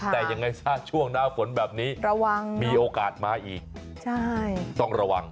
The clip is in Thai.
แต่ยังไงซะช่วงหน้าฝนแบบนี้ระวังมีโอกาสมาอีกต้องระวัง